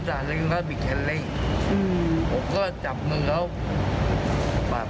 ชนท้ายรถโจรมั้งแล้วก็ชนพุทธป่า